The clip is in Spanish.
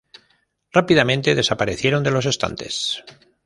Rápidamente desaparecieron de los estantes.